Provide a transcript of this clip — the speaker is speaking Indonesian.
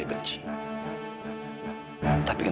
di dalam selektron